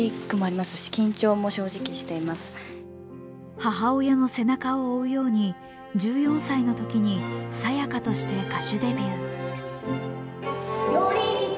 母親の背中を追うように１４歳のときにＳＡＹＡＫＡとして歌手デビュー。